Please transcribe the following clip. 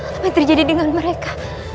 apa yang terjadi dengan mereka